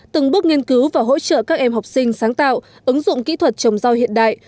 từng bước nghiên cứu và hỗ trợ các em học sinh sáng tạo ứng dụng kỹ thuật trồng rau hiện đại